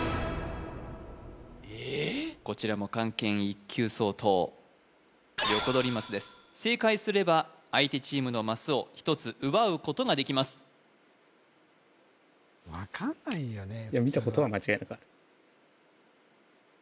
えっこちらも漢検１級相当ヨコドリマスです正解すれば相手チームのマスを１つ奪うことができます分かんないよね